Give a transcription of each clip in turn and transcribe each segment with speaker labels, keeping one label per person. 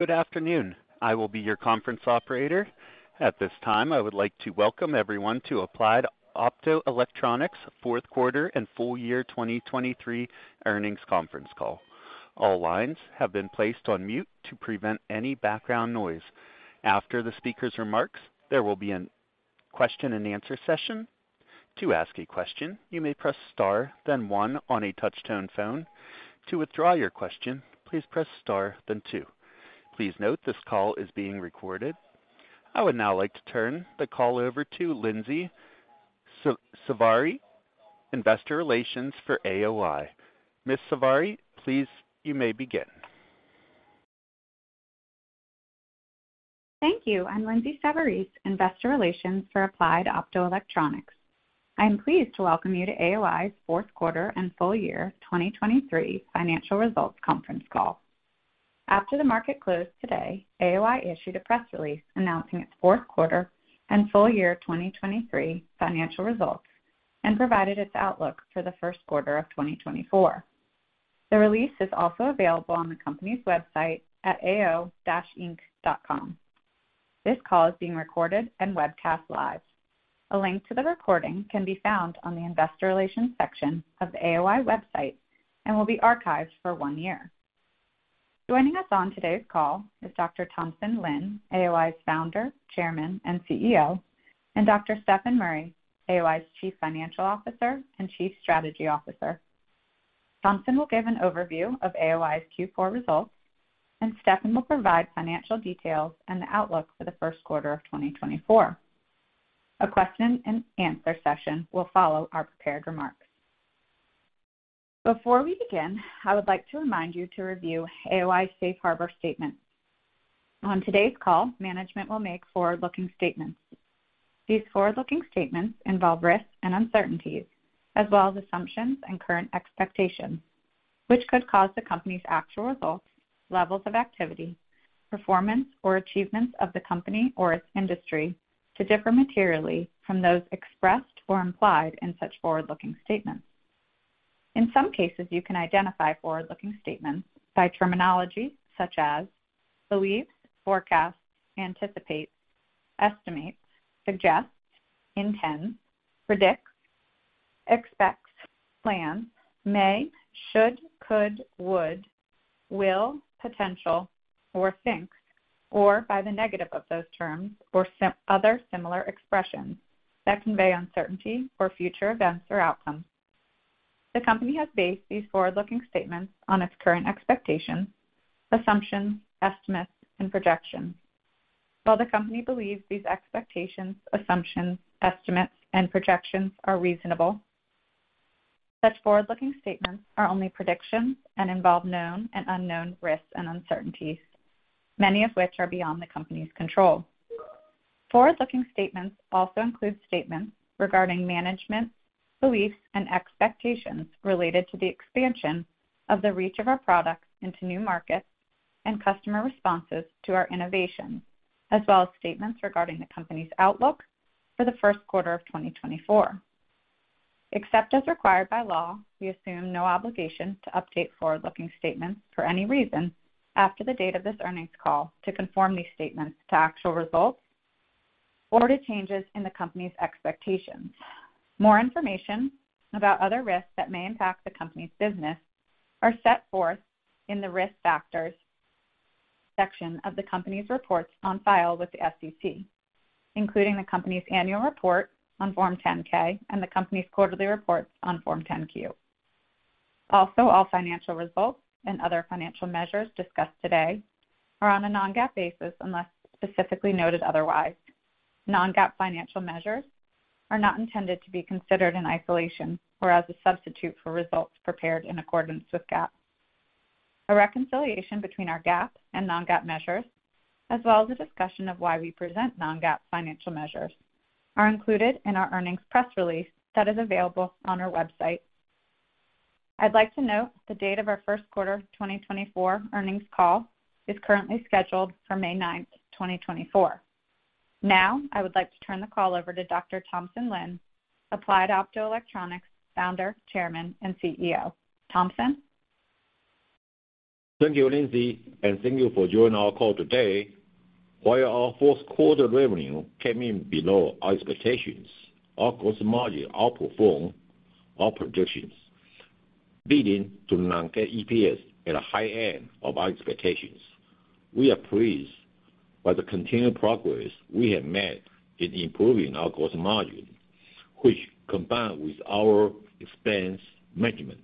Speaker 1: Good afternoon. I will be your conference operator. At this time, I would like to welcome everyone to Applied Optoelectronics' fourth-quarter and full-year 2023 earnings conference call. All lines have been placed on mute to prevent any background noise. After the speaker's remarks, there will be a question-and-answer session. To ask a question, you may press star, then one on a touch-tone phone. To withdraw your question, please press star, then two. Please note this call is being recorded. I would now like to turn the call over to Lindsay Savarese, Investor Relations for AOI. Ms. Savarese, please you may begin.
Speaker 2: Thank you. I'm Lindsay Savarese, Investor Relations for Applied Optoelectronics. I am pleased to welcome you to AOI's fourth-quarter and full-year 2023 financial results conference call. After the market closed today, AOI issued a press release announcing its fourth-quarter and full-year 2023 financial results and provided its outlook for the first quarter of 2024. The release is also available on the company's website at ao-inc.com. This call is being recorded and webcast live. A link to the recording can be found on the Investor Relations section of the AOI website and will be archived for one year. Joining us on today's call is Dr. Thompson Lin, AOI's founder, chairman, and CEO, and Dr. Stefan Murry, AOI's Chief Financial Officer and Chief Strategy Officer. Thompson will give an overview of AOI's Q4 results, and Stefan will provide financial details and the outlook for the first quarter of 2024. A question-and-answer session will follow our prepared remarks. Before we begin, I would like to remind you to review AOI's safe harbor statements. On today's call, management will make forward-looking statements. These forward-looking statements involve risks and uncertainties, as well as assumptions and current expectations, which could cause the company's actual results, levels of activity, performance, or achievements of the company or its industry to differ materially from those expressed or implied in such forward-looking statements. In some cases, you can identify forward-looking statements by terminology such as believes, forecasts, anticipates, estimates, suggests, intends, predicts, expects, plans, may, should, could, would, will, potential, or thinks, or by the negative of those terms, or other similar expressions that convey uncertainty or future events or outcomes. The company has based these forward-looking statements on its current expectations, assumptions, estimates, and projections. While the company believes these expectations, assumptions, estimates, and projections are reasonable, such forward-looking statements are only predictions and involve known and unknown risks and uncertainties, many of which are beyond the company's control. Forward-looking statements also include statements regarding management's beliefs and expectations related to the expansion of the reach of our products into new markets and customer responses to our innovations, as well as statements regarding the company's outlook for the first quarter of 2024. Except as required by law, we assume no obligation to update forward-looking statements for any reason after the date of this earnings call to conform these statements to actual results or to changes in the company's expectations. More information about other risks that may impact the company's business are set forth in the Risk Factors section of the company's reports on file with the SEC, including the company's annual report on Form 10-K and the company's quarterly reports on Form 10-Q. Also, all financial results and other financial measures discussed today are on a non-GAAP basis unless specifically noted otherwise. Non-GAAP financial measures are not intended to be considered in isolation or as a substitute for results prepared in accordance with GAAP. A reconciliation between our GAAP and non-GAAP measures, as well as a discussion of why we present non-GAAP financial measures, are included in our earnings press release that is available on our website. I'd like to note the date of our first-quarter 2024 earnings call is currently scheduled for May 9th, 2024. Now, I would like to turn the call over to Dr. Thompson Lin, Applied Optoelectronics Founder, Chairman, and CEO. Thompson?
Speaker 3: Thank you, Lindsay, and thank you for joining our call today. While our fourth-quarter revenue came in below our expectations, our gross margin outperformed our predictions, leading to non-GAAP EPS at a high end of our expectations. We are pleased by the continued progress we have made in improving our gross margin, which, combined with our expense management,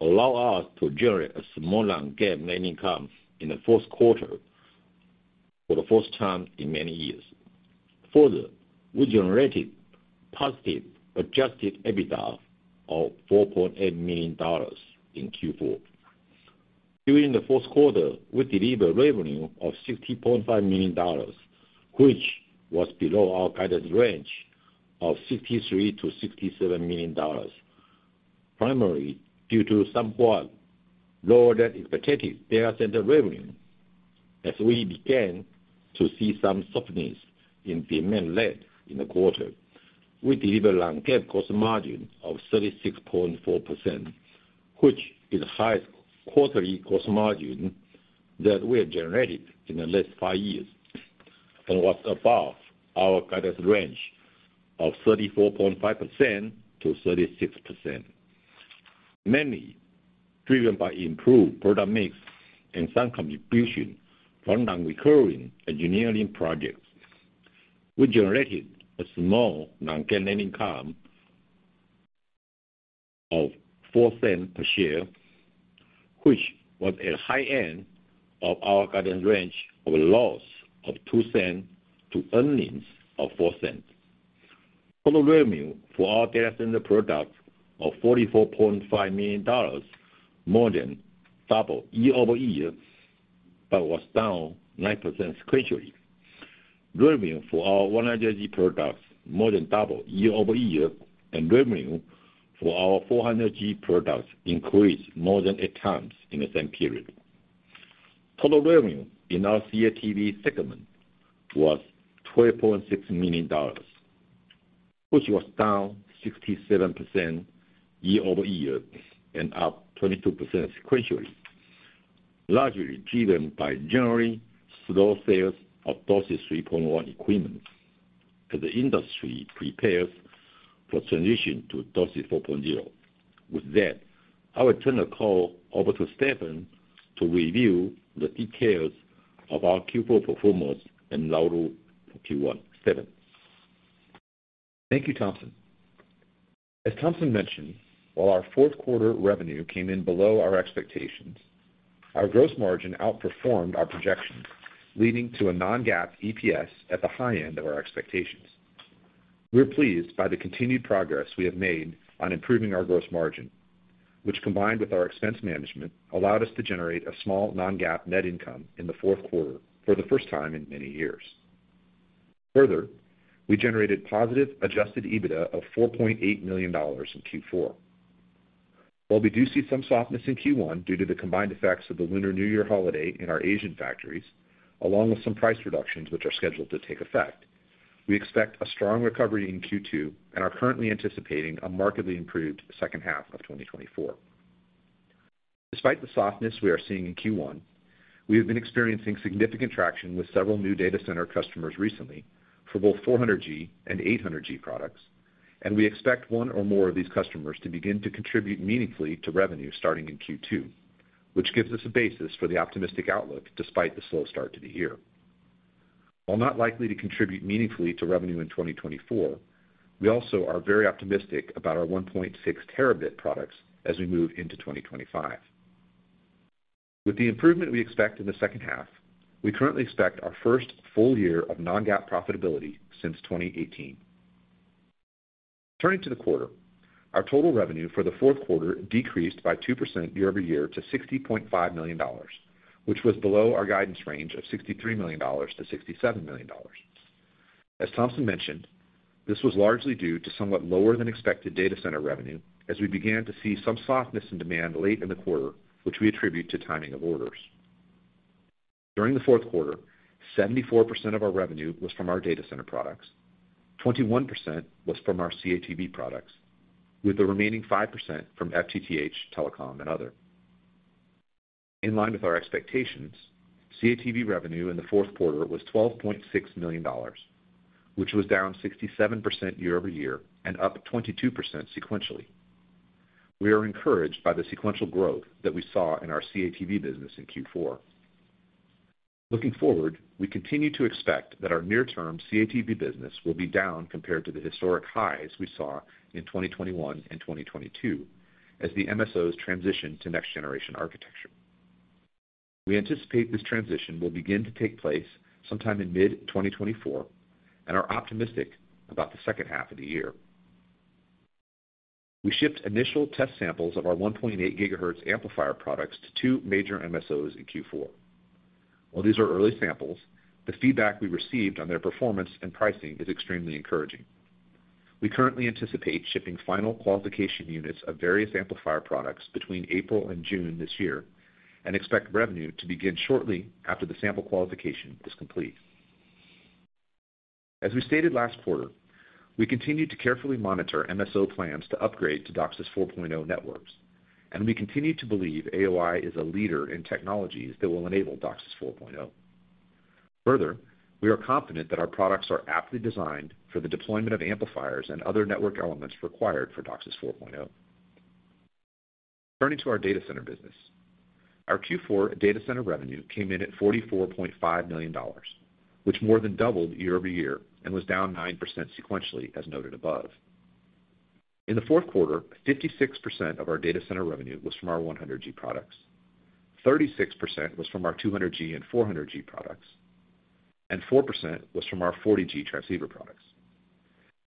Speaker 3: allowed us to generate a small non-GAAP net income in the fourth quarter for the first time in many years. Further, we generated positive adjusted EBITDA of $4.8 million in Q4. During the fourth quarter, we delivered revenue of $60.5 million, which was below our guidance range of $63-$67 million, primarily due to somewhat lower-than-expected data center revenue. As we began to see some softness in demand led in the quarter, we delivered a non-GAAP gross margin of 36.4%, which is the highest quarterly gross margin that we have generated in the last five years and was above our guidance range of 34.5%-36%, mainly driven by improved product mix and some contribution from non-recurring engineering projects. We generated a small non-GAAP net income of $0.04 per share, which was at the high end of our guidance range of a loss of $0.02 to earnings of $0.04. Total revenue for our data center products of $44.5 million was more than double year-over-year but was down 9% sequentially. Revenue for our 100G products more than doubled year-over-year, and revenue for our 400G products increased more than eight times in the same period. Total revenue in our CATV segment was $12.6 million, which was down 67% year-over-year and up 22% sequentially, largely driven by generally slow sales of DOCSIS 3.1 equipment as the industry prepares for transition to DOCSIS 4.0. With that, I will turn the call over to Stefan to review the details of our Q4 performance and outlook for Q1. Stefan?
Speaker 4: Thank you, Thompson. As Thompson mentioned, while our fourth-quarter revenue came in below our expectations, our gross margin outperformed our projections, leading to a non-GAAP EPS at the high end of our expectations. We're pleased by the continued progress we have made on improving our gross margin, which, combined with our expense management, allowed us to generate a small non-GAAP net income in the fourth quarter for the first time in many years. Further, we generated positive Adjusted EBITDA of $4.8 million in Q4. While we do see some softness in Q1 due to the combined effects of the Lunar New Year holiday in our Asian factories, along with some price reductions which are scheduled to take effect, we expect a strong recovery in Q2 and are currently anticipating a markedly improved second half of 2024. Despite the softness we are seeing in Q1, we have been experiencing significant traction with several new data center customers recently for both 400G and 800G products, and we expect one or more of these customers to begin to contribute meaningfully to revenue starting in Q2, which gives us a basis for the optimistic outlook despite the slow start to the year. While not likely to contribute meaningfully to revenue in 2024, we also are very optimistic about our 1.6 Tb products as we move into 2025. With the improvement we expect in the second half, we currently expect our first full year of non-GAAP profitability since 2018. Turning to the quarter, our total revenue for the fourth quarter decreased by 2% year-over-year to $60.5 million, which was below our guidance range of $63 million-$67 million. As Thompson mentioned, this was largely due to somewhat lower-than-expected data center revenue as we began to see some softness in demand late in the quarter, which we attribute to timing of orders. During the fourth quarter, 74% of our revenue was from our data center products, 21% was from our CATV products, with the remaining 5% from FTTH, telecom, and other. In line with our expectations, CATV revenue in the fourth quarter was $12.6 million, which was down 67% year-over-year and up 22% sequentially. We are encouraged by the sequential growth that we saw in our CATV business in Q4. Looking forward, we continue to expect that our near-term CATV business will be down compared to the historic highs we saw in 2021 and 2022 as the MSOs transition to next-generation architecture. We anticipate this transition will begin to take place sometime in mid-2024, and are optimistic about the second half of the year. We shipped initial test samples of our 1.8 GHz amplifier products to two major MSOs in Q4. While these are early samples, the feedback we received on their performance and pricing is extremely encouraging. We currently anticipate shipping final qualification units of various amplifier products between April and June this year and expect revenue to begin shortly after the sample qualification is complete. As we stated last quarter, we continue to carefully monitor MSO plans to upgrade to DOCSIS 4.0 networks, and we continue to believe AOI is a leader in technologies that will enable DOCSIS 4.0. Further, we are confident that our products are aptly designed for the deployment of amplifiers and other network elements required for DOCSIS 4.0. Turning to our data center business, our Q4 data center revenue came in at $44.5 million, which more than doubled year over year and was down 9% sequentially, as noted above. In the fourth quarter, 56% of our data center revenue was from our 100G products, 36% was from our 200G and 400G products, and 4% was from our 40G transceiver products.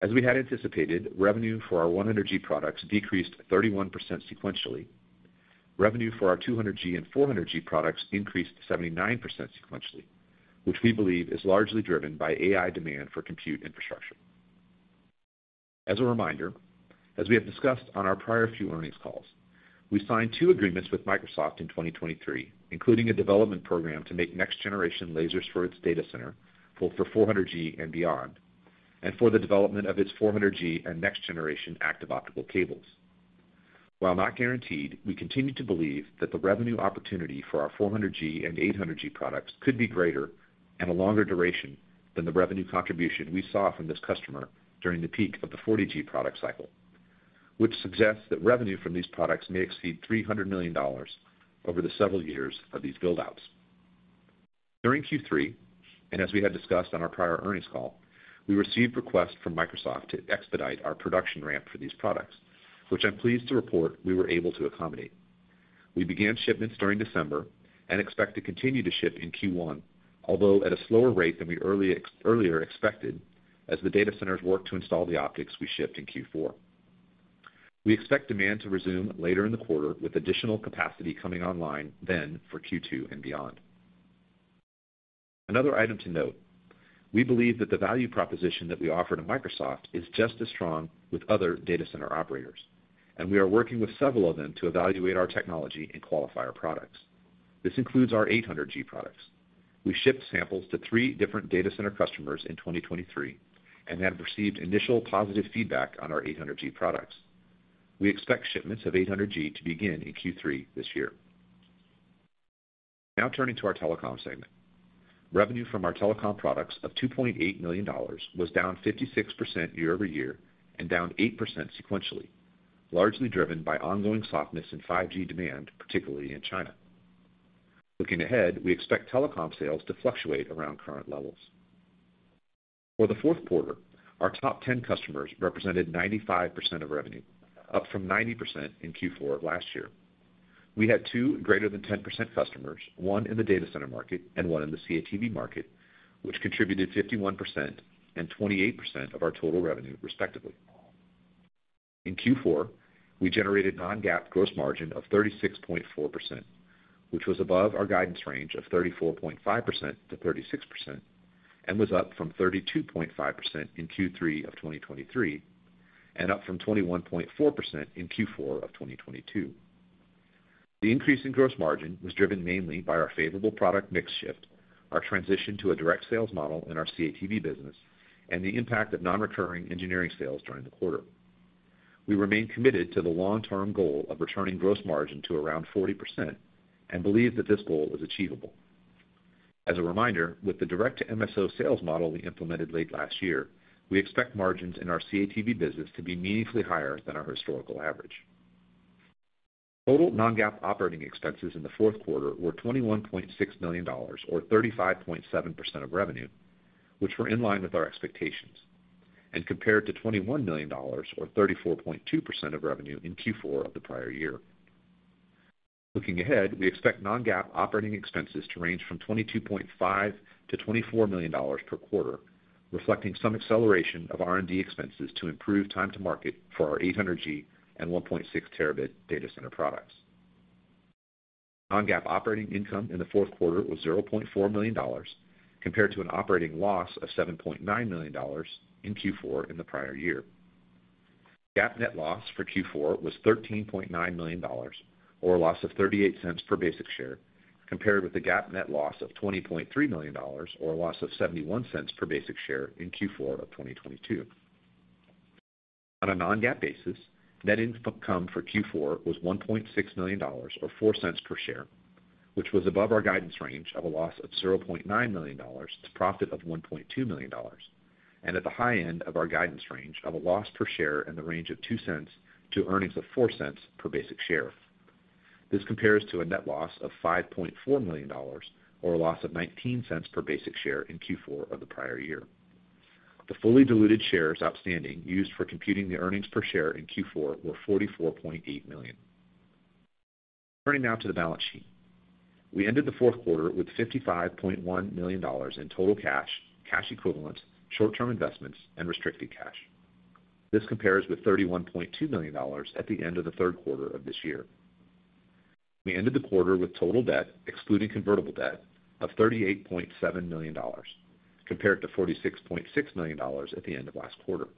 Speaker 4: As we had anticipated, revenue for our 100G products decreased 31% sequentially. Revenue for our 200G and 400G products increased 79% sequentially, which we believe is largely driven by AI demand for compute infrastructure. As a reminder, as we have discussed on our prior few earnings calls, we signed two agreements with Microsoft in 2023, including a development program to make next-generation lasers for its data center, both for 400G and beyond, and for the development of its 400G and next-generation Active Optical Cables. While not guaranteed, we continue to believe that the revenue opportunity for our 400G and 800G products could be greater and a longer duration than the revenue contribution we saw from this customer during the peak of the 40G product cycle, which suggests that revenue from these products may exceed $300 million over the several years of these buildouts. During Q3, and as we had discussed on our prior earnings call, we received requests from Microsoft to expedite our production ramp for these products, which I'm pleased to report we were able to accommodate. We began shipments during December and expect to continue to ship in Q1, although at a slower rate than we earlier expected as the data centers worked to install the optics we shipped in Q4. We expect demand to resume later in the quarter with additional capacity coming online then for Q2 and beyond. Another item to note, we believe that the value proposition that we offer to Microsoft is just as strong with other data center operators, and we are working with several of them to evaluate our technology and qualify our products. This includes our 800G products. We shipped samples to three different data center customers in 2023 and have received initial positive feedback on our 800G products. We expect shipments of 800G to begin in Q3 this year. Now turning to our telecom segment, revenue from our telecom products of $2.8 million was down 56% year-over-year and down 8% sequentially, largely driven by ongoing softness in 5G demand, particularly in China. Looking ahead, we expect telecom sales to fluctuate around current levels. For the fourth quarter, our top 10 customers represented 95% of revenue, up from 90% in Q4 of last year. We had two greater-than-10% customers, one in the data center market and one in the CATV market, which contributed 51% and 28% of our total revenue, respectively. In Q4, we generated non-GAAP gross margin of 36.4%, which was above our guidance range of 34.5%-36% and was up from 32.5% in Q3 of 2023 and up from 21.4% in Q4 of 2022. The increase in gross margin was driven mainly by our favorable product mix shift, our transition to a direct sales model in our CATV business, and the impact of non-recurring engineering sales during the quarter. We remain committed to the long-term goal of returning gross margin to around 40% and believe that this goal is achievable. As a reminder, with the direct-to-MSO sales model we implemented late last year, we expect margins in our CATV business to be meaningfully higher than our historical average. Total non-GAAP operating expenses in the fourth quarter were $21.6 million or 35.7% of revenue, which were in line with our expectations, and compared to $21 million or 34.2% of revenue in Q4 of the prior year. Looking ahead, we expect non-GAAP operating expenses to range from $22.5-$24 million per quarter, reflecting some acceleration of R&D expenses to improve time-to-market for our 800G and 1.6 Terabit data center products. Non-GAAP operating income in the fourth quarter was $0.4 million compared to an operating loss of $7.9 million in Q4 in the prior year. GAAP net loss for Q4 was $13.9 million or a loss of $0.38 per basic share compared with the GAAP net loss of $20.3 million or a loss of $0.71 per basic share in Q4 of 2022. On a non-GAAP basis, net income for Q4 was $1.6 million or $0.04 per share, which was above our guidance range of a loss of $0.9 million to profit of $1.2 million and at the high end of our guidance range of a loss per share in the range of $0.02 to earnings of $0.04 per basic share. This compares to a net loss of $5.4 million or a loss of $0.19 per basic share in Q4 of the prior year. The fully diluted shares outstanding used for computing the earnings per share in Q4 were 44.8 million. Turning now to the balance sheet, we ended the fourth quarter with $55.1 million in total cash, cash equivalents, short-term investments, and restricted cash. This compares with $31.2 million at the end of the third quarter of this year. We ended the quarter with total debt, excluding convertible debt, of $38.7 million compared to $46.6 million at the end of last quarter.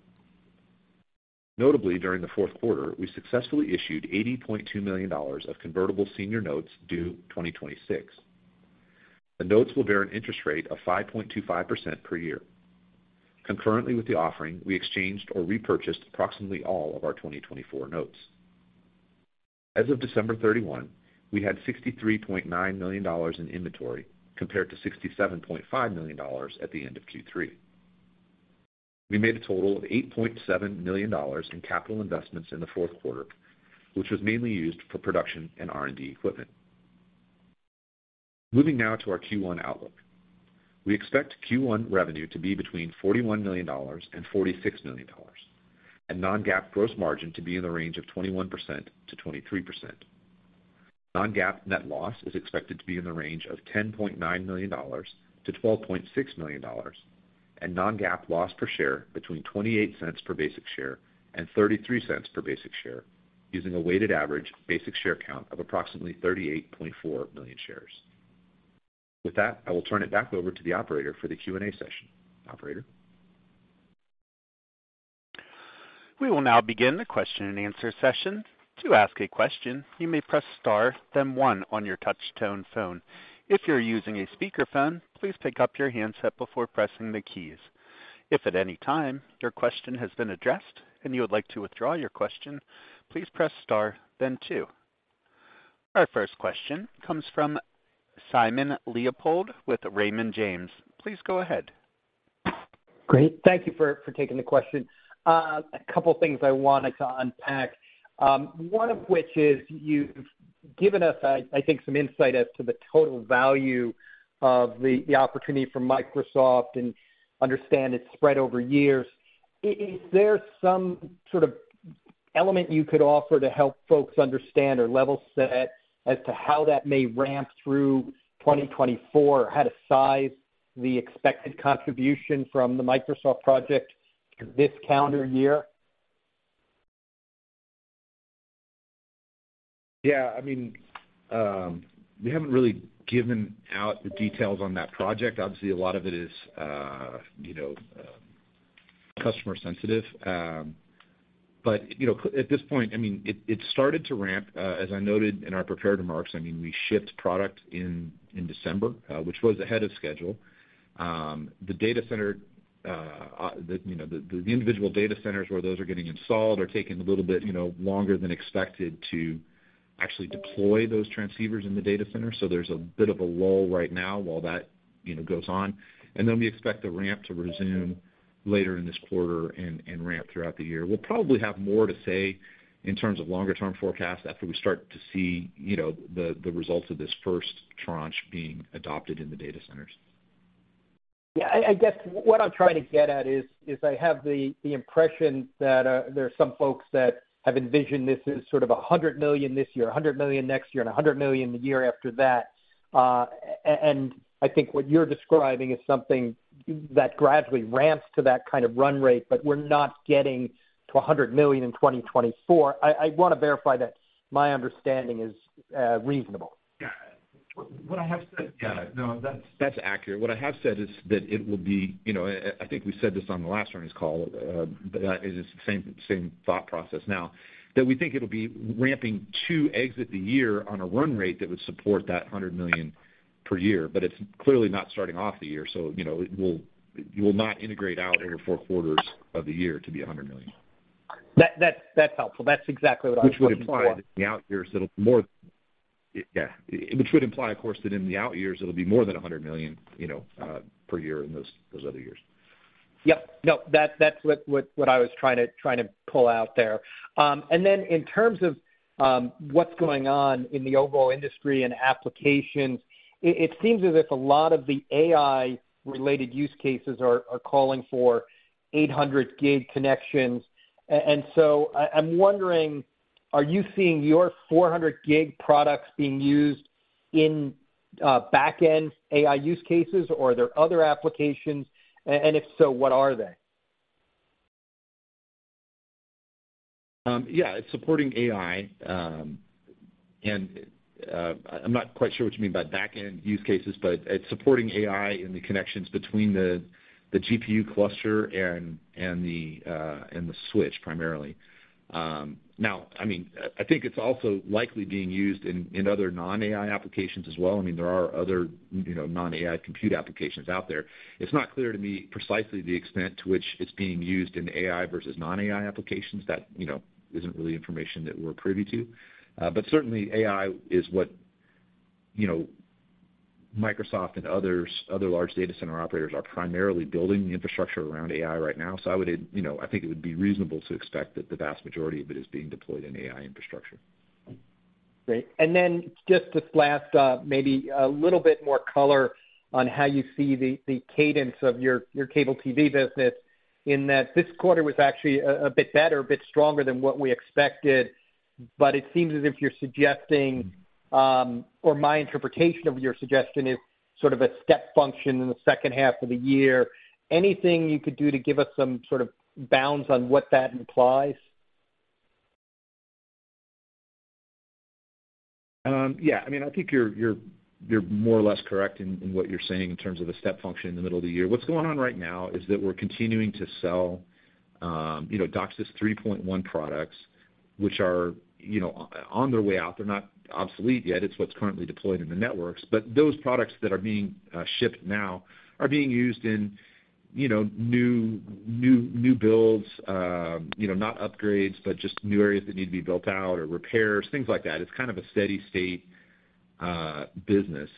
Speaker 4: Notably, during the fourth quarter, we successfully issued $80.2 million of convertible senior notes due 2026. The notes will bear an interest rate of 5.25% per year. Concurrently with the offering, we exchanged or repurchased approximately all of our 2024 notes. As of December 31, we had $63.9 million in inventory compared to $67.5 million at the end of Q3. We made a total of $8.7 million in capital investments in the fourth quarter, which was mainly used for production and R&D equipment. Moving now to our Q1 outlook, we expect Q1 revenue to be between $41 million and $46 million and non-GAAP gross margin to be in the range of 21%-23%. Non-GAAP net loss is expected to be in the range of $10.9 million-$12.6 million and non-GAAP loss per share between $0.28-$0.33 per basic share, using a weighted average basic share count of approximately 38.4 million shares. With that, I will turn it back over to the operator for the Q&A session. Operator?
Speaker 1: We will now begin the question-and-answer session. To ask a question, you may press star, then one on your touch-tone phone. If you're using a speakerphone, please pick up your handset before pressing the keys. If at any time your question has been addressed and you would like to withdraw your question, please press star, then two. Our first question comes from Simon Leopold with Raymond James. Please go ahead.
Speaker 5: Great. Thank you for taking the question. A couple of things I wanted to unpack, one of which is you've given us, I think, some insight as to the total value of the opportunity for Microsoft and understand its spread over years. Is there some sort of element you could offer to help folks understand or level set as to how that may ramp through 2024, how to size the expected contribution from the Microsoft project this calendar year?
Speaker 4: Yeah. I mean, we haven't really given out the details on that project. Obviously, a lot of it is customer-sensitive. But at this point, I mean, it started to ramp. As I noted in our prepared remarks, I mean, we shipped product in December, which was ahead of schedule. The data center, the individual data centers where those are getting installed are taking a little bit longer than expected to actually deploy those transceivers in the data center. So there's a bit of a lull right now while that goes on. And then we expect the ramp to resume later in this quarter and ramp throughout the year. We'll probably have more to say in terms of longer-term forecast after we start to see the results of this first tranche being adopted in the data centers.
Speaker 5: Yeah. I guess what I'm trying to get at is I have the impression that there are some folks that have envisioned this as sort of $100 million this year, $100 million next year, and $100 million the year after that. And I think what you're describing is something that gradually ramps to that kind of run rate, but we're not getting to $100 million in 2024. I want to verify that my understanding is reasonable.
Speaker 4: Yeah. What I have said, yeah. No, that's accurate. What I have said is that it will be—I think we said this on the last earnings call, but it's the same thought process now—that we think it'll be ramping to 80% at the year on a run rate that would support that $100 million per year. But it's clearly not starting off the year. So it will not average out over four quarters of the year to be $100 million.
Speaker 5: That's helpful. That's exactly what I was going to say.
Speaker 4: Which would imply, of course, that in the out years, it'll be more than $100 million per year in those other years.
Speaker 5: Yep. No, that's what I was trying to pull out there. And then in terms of what's going on in the overall industry and applications, it seems as if a lot of the AI-related use cases are calling for 800-gig connections. And so I'm wondering, are you seeing your 400-gig products being used in back-end AI use cases, or are there other applications? And if so, what are they?
Speaker 4: Yeah. It's supporting AI. I'm not quite sure what you mean by back-end use cases, but it's supporting AI in the connections between the GPU cluster and the switch, primarily. Now, I mean, I think it's also likely being used in other non-AI applications as well. I mean, there are other non-AI compute applications out there. It's not clear to me precisely the extent to which it's being used in AI versus non-AI applications. That isn't really information that we're privy to. But certainly, AI is what Microsoft and other large data center operators are primarily building the infrastructure around AI right now. I think it would be reasonable to expect that the vast majority of it is being deployed in AI infrastructure.
Speaker 5: Great. And then just this last, maybe a little bit more color on how you see the cadence of your cable TV business in that this quarter was actually a bit better, a bit stronger than what we expected. But it seems as if you're suggesting or my interpretation of your suggestion is sort of a step function in the second half of the year. Anything you could do to give us some sort of bounds on what that implies?
Speaker 4: Yeah. I mean, I think you're more or less correct in what you're saying in terms of a step function in the middle of the year. What's going on right now is that we're continuing to sell DOCSIS 3.1 products, which are on their way out. They're not obsolete yet. It's what's currently deployed in the networks. But those products that are being shipped now are being used in new builds, not upgrades, but just new areas that need to be built out or repairs, things like that. It's kind of a steady-state business.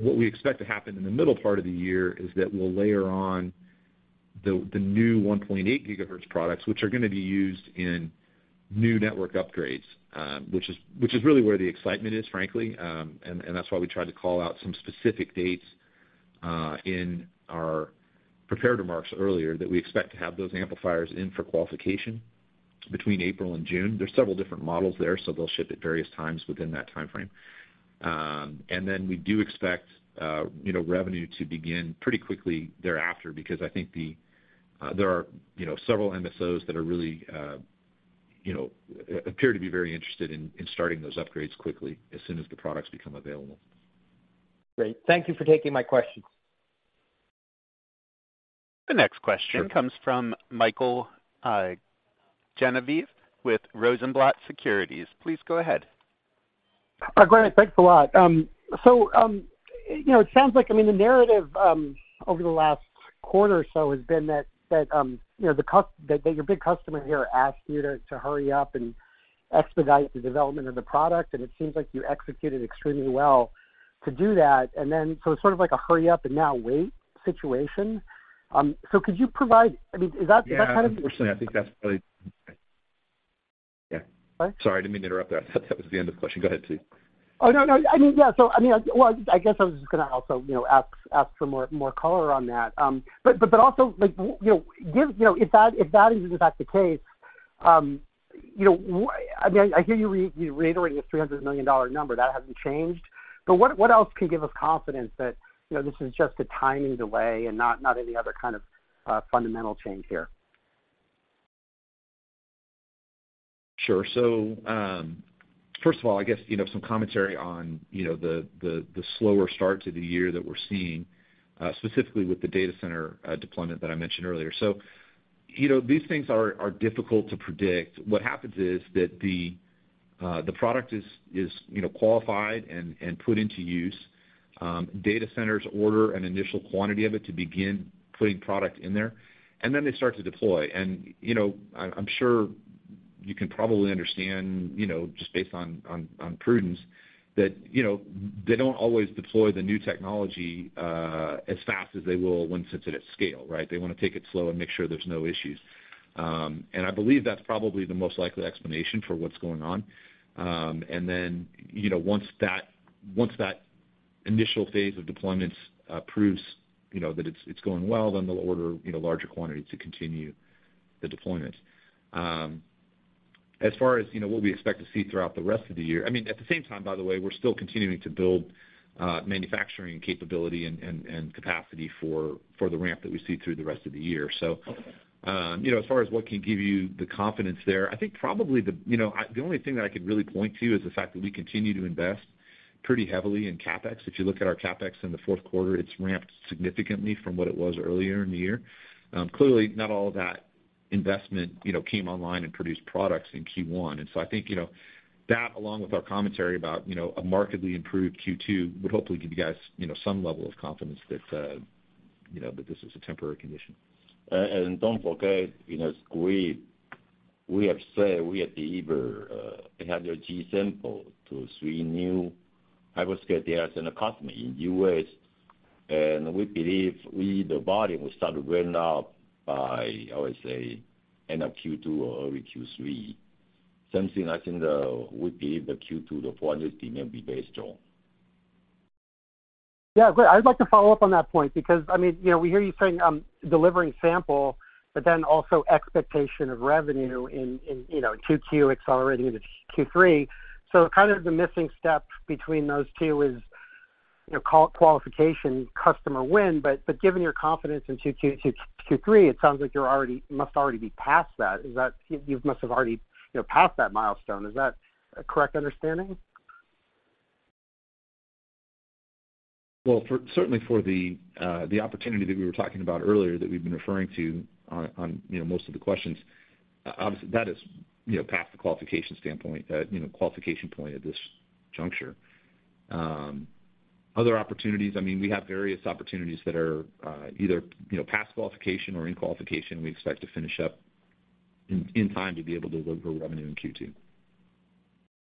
Speaker 4: What we expect to happen in the middle part of the year is that we'll layer on the new 1.8 GHz products, which are going to be used in new network upgrades, which is really where the excitement is, frankly. That's why we tried to call out some specific dates in our prepared remarks earlier that we expect to have those amplifiers in for qualification between April and June. There's several different models there, so they'll ship at various times within that timeframe. Then we do expect revenue to begin pretty quickly thereafter because I think there are several MSOs that really appear to be very interested in starting those upgrades quickly as soon as the products become available.
Speaker 5: Great. Thank you for taking my questions.
Speaker 1: The next question comes from Michael Genovese with Rosenblatt Securities. Please go ahead.
Speaker 6: Great. Thanks a lot. So it sounds like, I mean, the narrative over the last quarter or so has been that your big customer here asked you to hurry up and expedite the development of the product, and it seems like you executed extremely well to do that. And then so it's sort of like a hurry up and now wait situation. So could you provide, I mean, is that kind of?
Speaker 4: Yeah. Unfortunately, I think that's probably yeah. Sorry to interrupt there. I thought that was the end of the question. Go ahead, please.
Speaker 6: Oh, no, no. I mean, yeah. So I mean, well, I guess I was just going to also ask for more color on that. But also, if that is, in fact, the case, I mean, I hear you reiterating the $300 million number. That hasn't changed. But what else can give us confidence that this is just a timing delay and not any other kind of fundamental change here?
Speaker 4: Sure. So first of all, I guess some commentary on the slower start to the year that we're seeing, specifically with the data center deployment that I mentioned earlier. So these things are difficult to predict. What happens is that the product is qualified and put into use. Data centers order an initial quantity of it to begin putting product in there, and then they start to deploy. And I'm sure you can probably understand just based on prudence that they don't always deploy the new technology as fast as they will once it's at scale, right? They want to take it slow and make sure there's no issues. And I believe that's probably the most likely explanation for what's going on. And then once that initial phase of deployments proves that it's going well, then they'll order larger quantity to continue the deployments. As far as what we expect to see throughout the rest of the year, I mean, at the same time, by the way, we're still continuing to build manufacturing capability and capacity for the ramp that we see through the rest of the year. So as far as what can give you the confidence there, I think probably the only thing that I could really point to is the fact that we continue to invest pretty heavily in CapEx. If you look at our CapEx in the fourth quarter, it's ramped significantly from what it was earlier in the year. Clearly, not all of that investment came online and produced products in Q1. And so I think that, along with our commentary about a markedly improved Q2, would hopefully give you guys some level of confidence that this is a temporary condition.
Speaker 3: And don't forget, we have shipped 800G samples to three new hyperscale data center customers in the U.S. And we believe the volume will start to ramp up by, I would say, end of Q2 or early Q3, something like that. I think in Q2, the 400G demand will be very strong.
Speaker 6: Yeah. Great. I'd like to follow up on that point because, I mean, we hear you saying delivering sample, but then also expectation of revenue in Q2 accelerating into Q3. So kind of the missing step between those two is qualification, customer win. But given your confidence in Q2 to Q3, it sounds like you must already be past that. You must have already passed that milestone. Is that a correct understanding?
Speaker 4: Well, certainly for the opportunity that we were talking about earlier that we've been referring to on most of the questions, obviously, that is past the qualification standpoint, qualification point at this juncture. Other opportunities, I mean, we have various opportunities that are either past qualification or in qualification. We expect to finish up in time to be able to deliver revenue in Q2.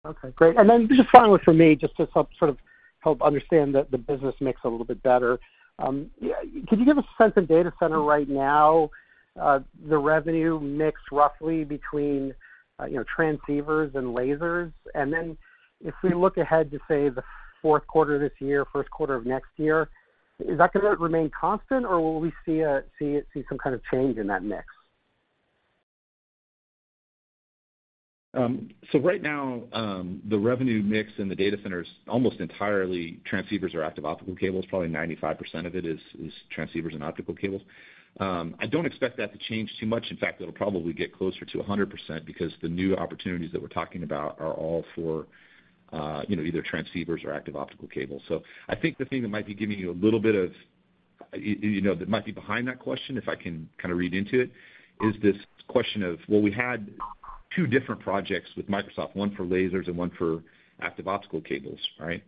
Speaker 6: Okay. Great. And then just following up from me, just to sort of help understand the business mix a little bit better, could you give us a sense of data center right now, the revenue mix roughly between transceivers and lasers? And then if we look ahead to, say, the fourth quarter of this year, first quarter of next year, is that going to remain constant, or will we see some kind of change in that mix?
Speaker 4: So right now, the revenue mix in the data center is almost entirely transceivers or active optical cables. Probably 95% of it is transceivers and optical cables. I don't expect that to change too much. In fact, it'll probably get closer to 100% because the new opportunities that we're talking about are all for either transceivers or active optical cables. So I think the thing that might be giving you a little bit of that might be behind that question, if I can kind of read into it, is this question of well, we had two different projects with Microsoft, one for lasers and one for active optical cables, right?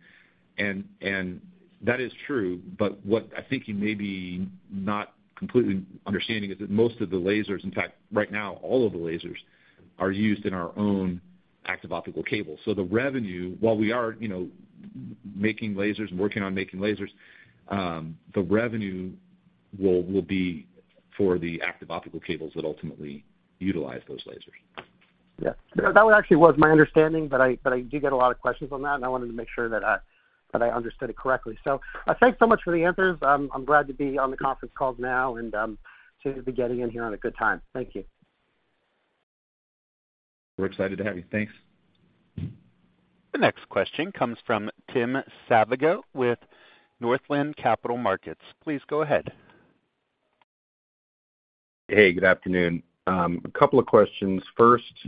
Speaker 4: And that is true. But what I think you may be not completely understanding is that most of the lasers in fact, right now, all of the lasers are used in our own active optical cables. The revenue, while we are making Lasers and working on making Lasers, the revenue will be for the Active Optical Cables that ultimately utilize those Lasers.
Speaker 6: Yeah. That actually was my understanding, but I do get a lot of questions on that, and I wanted to make sure that I understood it correctly. So thanks so much for the answers. I'm glad to be on the conference calls now and to be getting in here on a good time. Thank you.
Speaker 4: We're excited to have you. Thanks.
Speaker 1: The next question comes from Tim Savageaux with Northland Capital Markets. Please go ahead.
Speaker 7: Hey. Good afternoon. A couple of questions. First,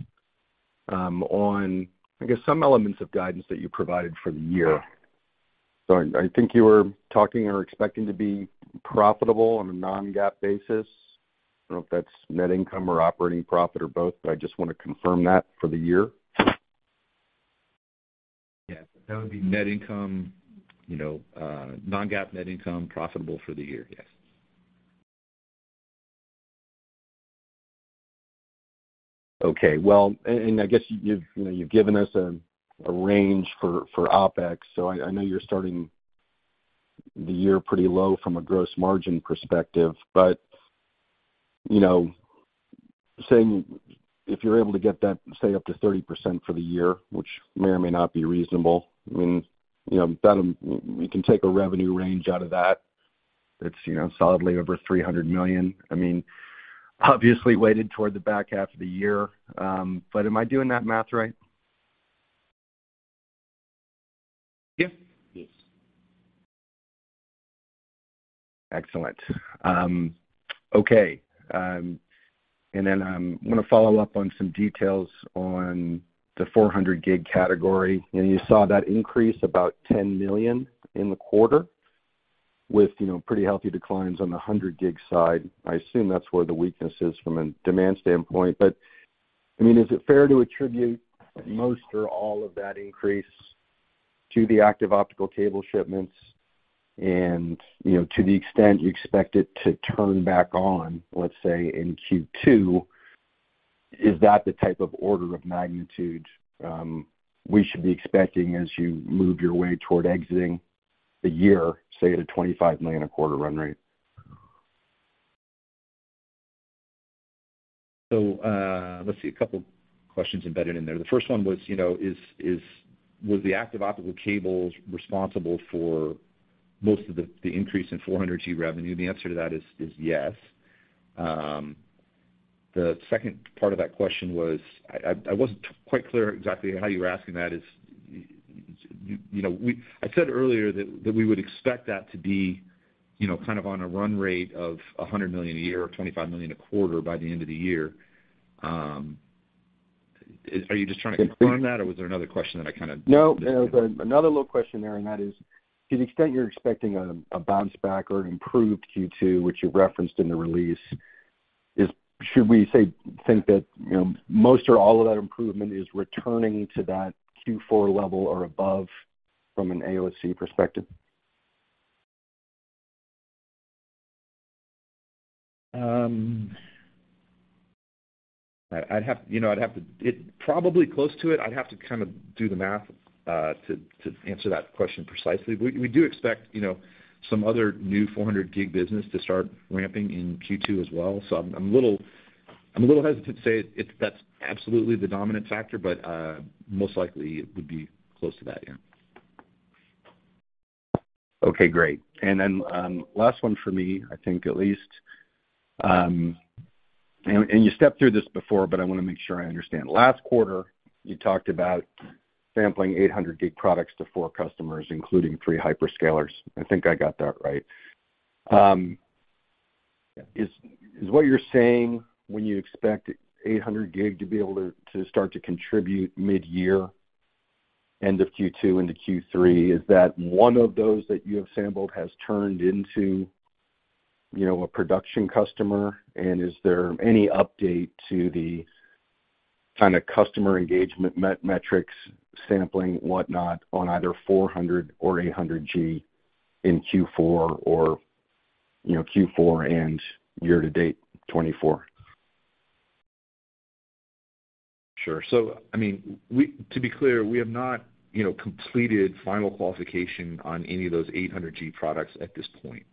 Speaker 7: on, I guess, some elements of guidance that you provided for the year. So I think you were talking or expecting to be profitable on a non-GAAP basis. I don't know if that's net income or operating profit or both, but I just want to confirm that for the year.
Speaker 4: Yes. That would be net income non-GAAP net income profitable for the year. Yes.
Speaker 7: Okay. Well, and I guess you've given us a range for OpEx. So I know you're starting the year pretty low from a gross margin perspective. But saying if you're able to get that, say, up to 30% for the year, which may or may not be reasonable, I mean, we can take a revenue range out of that that's solidly over $300 million, I mean, obviously weighted toward the back half of the year. But am I doing that math right? Yes.
Speaker 4: Yes.
Speaker 7: Excellent. Okay. And then I want to follow up on some details on the 400G category. You saw that increase about $10 million in the quarter with pretty healthy declines on the 100G side. I assume that's where the weakness is from a demand standpoint. But I mean, is it fair to attribute most or all of that increase to the active optical cable shipments and to the extent you expect it to turn back on, let's say, in Q2? Is that the type of order of magnitude we should be expecting as you move your way toward exiting the year, say, at a $25 million a quarter run rate?
Speaker 4: So let's see. A couple of questions embedded in there. The first one was, was the active optical cables responsible for most of the increase in 400G revenue? The answer to that is yes. The second part of that question was I wasn't quite clear exactly how you were asking that. I said earlier that we would expect that to be kind of on a run rate of $100 million a year or $25 million a quarter by the end of the year. Are you just trying to confirm that, or was there another question that I kind of missed?
Speaker 7: No. And another little question there, and that is, to the extent you're expecting a bounce back or an improved Q2, which you referenced in the release, should we, say, think that most or all of that improvement is returning to that Q4 level or above from an AOC perspective?
Speaker 4: I'd have to probably close to it. I'd have to kind of do the math to answer that question precisely. We do expect some other new 400-gig business to start ramping in Q2 as well. So I'm a little hesitant to say that's absolutely the dominant factor, but most likely, it would be close to that. Yeah.
Speaker 7: Okay. Great. And then last one for me, I think at least and you stepped through this before, but I want to make sure I understand. Last quarter, you talked about sampling 800G products to 4 customers, including 3 hyperscalers. I think I got that right. Is what you're saying when you expect 800G to be able to start to contribute mid-year, end of Q2, into Q3, is that one of those that you have sampled has turned into a production customer? And is there any update to the kind of customer engagement metrics, sampling, whatnot on either 400 or 800G in Q4 or Q4 and year-to-date 2024?
Speaker 4: Sure. So I mean, to be clear, we have not completed final qualification on any of those 800G products at this point.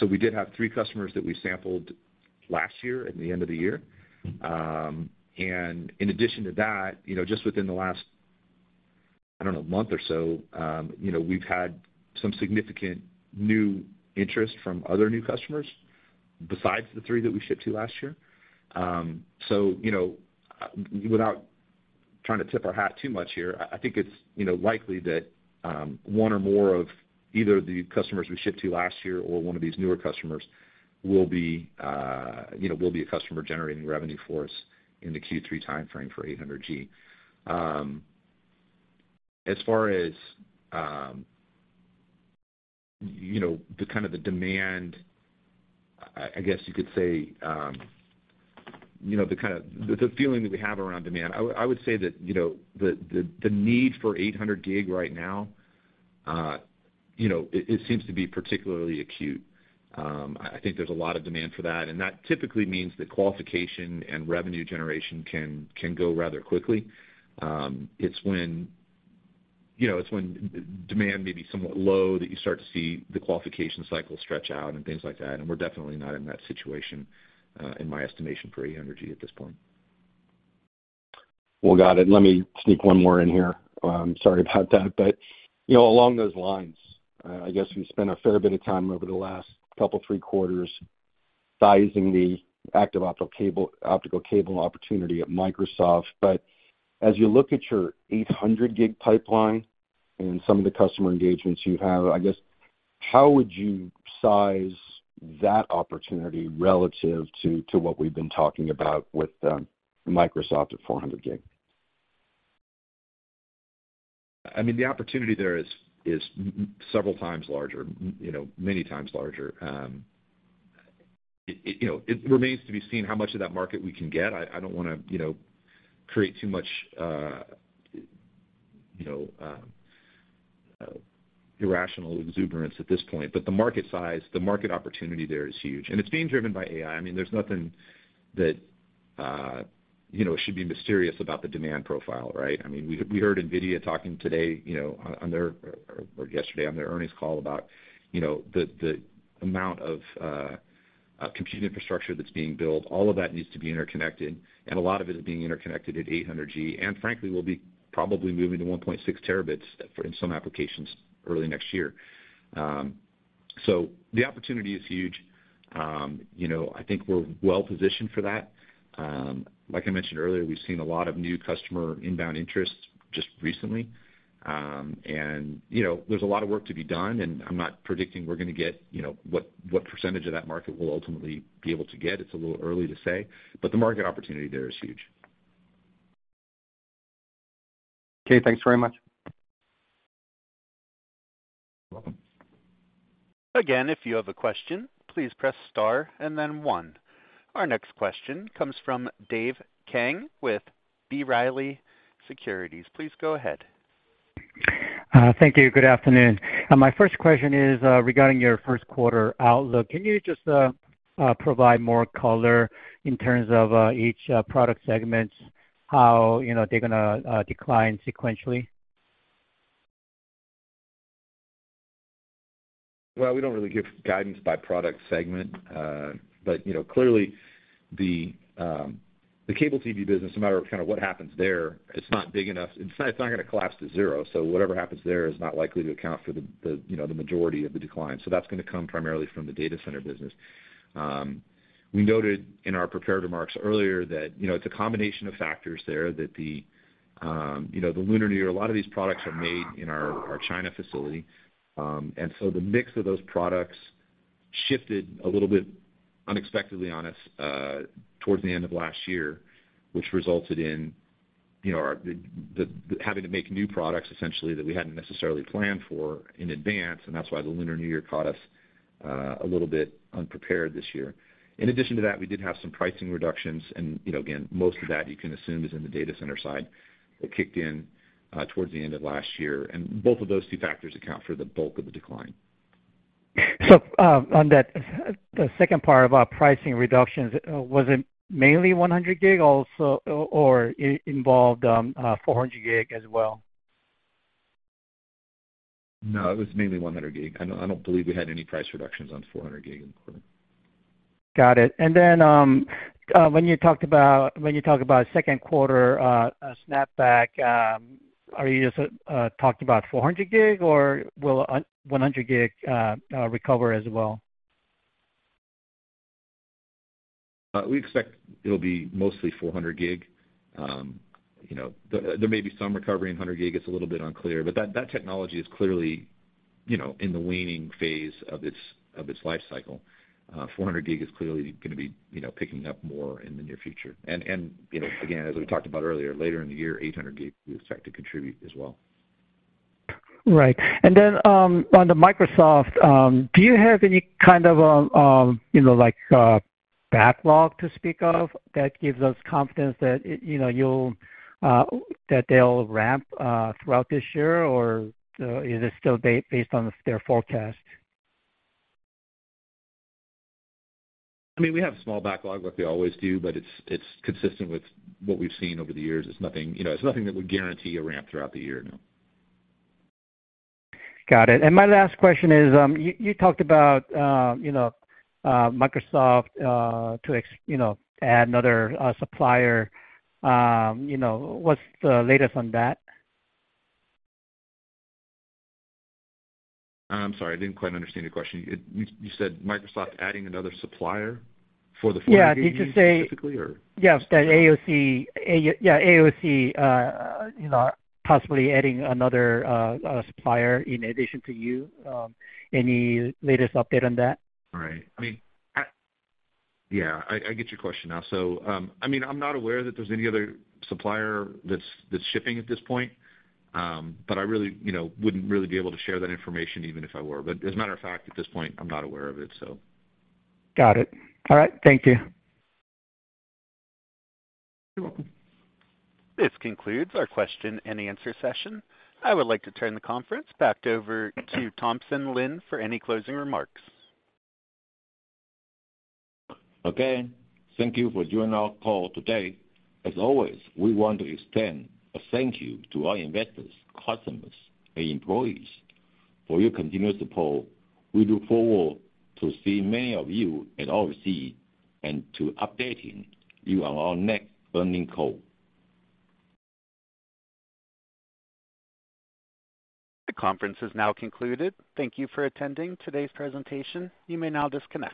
Speaker 4: So we did have three customers that we sampled last year at the end of the year. And in addition to that, just within the last, I don't know, month or so, we've had some significant new interest from other new customers besides the three that we shipped to last year. So without trying to tip our hat too much here, I think it's likely that one or more of either the customers we shipped to last year or one of these newer customers will be a customer generating revenue for us in the Q3 timeframe for 800G. As far as kind of the demand, I guess you could say the kind of the feeling that we have around demand, I would say that the need for 800G right now, it seems to be particularly acute. I think there's a lot of demand for that. And that typically means that qualification and revenue generation can go rather quickly. It's when demand may be somewhat low that you start to see the qualification cycle stretch out and things like that. And we're definitely not in that situation, in my estimation, for 800G at this point.
Speaker 7: Well, got it. Let me sneak one more in here. Sorry about that. But along those lines, I guess we spent a fair bit of time over the last couple of 3 quarters sizing the active optical cable opportunity at Microsoft. But as you look at your 800-gig pipeline and some of the customer engagements you have, I guess, how would you size that opportunity relative to what we've been talking about with Microsoft at 400 gig?
Speaker 4: I mean, the opportunity there is several times larger, many times larger. It remains to be seen how much of that market we can get. I don't want to create too much irrational exuberance at this point. But the market size, the market opportunity there is huge. And it's being driven by AI. I mean, there's nothing that it should be mysterious about the demand profile, right? I mean, we heard NVIDIA talking today or yesterday on their earnings call about the amount of compute infrastructure that's being built. All of that needs to be interconnected. And a lot of it is being interconnected at 800G and, frankly, will be probably moving to 1.6 terabits in some applications early next year. So the opportunity is huge. I think we're well-positioned for that. Like I mentioned earlier, we've seen a lot of new customer inbound interest just recently. There's a lot of work to be done. I'm not predicting we're going to get what percentage of that market we'll ultimately be able to get. It's a little early to say. The market opportunity there is huge.
Speaker 7: Okay. Thanks very much.
Speaker 4: You're welcome.
Speaker 1: Again, if you have a question, please press star and then one. Our next question comes from Dave Kang with B. Riley Securities. Please go ahead.
Speaker 8: Thank you. Good afternoon. My first question is regarding your first quarter outlook. Can you just provide more color in terms of each product segment, how they're going to decline sequentially?
Speaker 4: Well, we don't really give guidance by product segment. But clearly, the cable TV business, no matter kind of what happens there, it's not big enough it's not going to collapse to zero. So whatever happens there is not likely to account for the majority of the decline. So that's going to come primarily from the data center business. We noted in our preparatory remarks earlier that it's a combination of factors there that the Lunar New Year a lot of these products are made in our China facility. And so the mix of those products shifted a little bit unexpectedly on us towards the end of last year, which resulted in having to make new products, essentially, that we hadn't necessarily planned for in advance. And that's why the Lunar New Year caught us a little bit unprepared this year. In addition to that, we did have some pricing reductions. And again, most of that, you can assume, is in the data center side that kicked in toward the end of last year. And both of those two factors account for the bulk of the decline.
Speaker 8: On the second part of our pricing reductions, was it mainly 100G or involved 400G as well?
Speaker 4: No. It was mainly 100G. I don't believe we had any price reductions on 400G in the quarter.
Speaker 8: Got it. And then when you talk about second quarter snapback, are you just talking about 400G, or will 100G recover as well?
Speaker 4: We expect it'll be mostly 400G. There may be some recovery in 100G. It's a little bit unclear. But that technology is clearly in the waning phase of its life cycle. 400G is clearly going to be picking up more in the near future. And again, as we talked about earlier, later in the year, 800G is expected to contribute as well.
Speaker 8: Right. And then on the Microsoft, do you have any kind of backlog to speak of that gives us confidence that they'll ramp throughout this year, or is it still based on their forecast?
Speaker 4: I mean, we have small backlog, like we always do, but it's consistent with what we've seen over the years. It's nothing that would guarantee a ramp throughout the year. No.
Speaker 8: Got it. And my last question is, you talked about Microsoft to add another supplier. What's the latest on that?
Speaker 4: I'm sorry. I didn't quite understand your question. You said Microsoft adding another supplier for the 400G specifically, or?
Speaker 8: Yeah. Did you say?
Speaker 4: Yes. That AOC, yeah. AOC possibly adding another supplier in addition to you. Any latest update on that? All right. I mean, yeah. I get your question now. So, I mean, I'm not aware that there's any other supplier that's shipping at this point. But I really wouldn't really be able to share that information even if I were. But as a matter of fact, at this point, I'm not aware of it, so.
Speaker 8: Got it. All right. Thank you. You're welcome.
Speaker 1: This concludes our question and answer session. I would like to turn the conference back over to Thompson Lin for any closing remarks.
Speaker 3: Okay. Thank you for joining our call today. As always, we want to extend a thank you to our investors, customers, and employees for your continuous support. We look forward to seeing many of you at OFC and to updating you on our next earnings call.
Speaker 1: The conference has now concluded. Thank you for attending today's presentation. You may now disconnect.